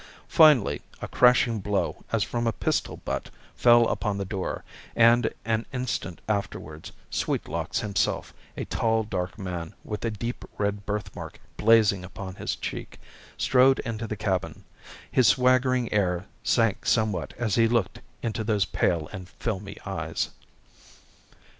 Finally, a crashing blow as from a pistol butt fell upon the door, and an instant afterwards Sweetlocks himself, a tall, dark man, with a deep red birthmark blazing upon his cheek, strode into the cabin. His swaggering air sank somewhat as he looked into those pale and filmy eyes.